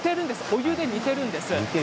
お湯で煮ているんです。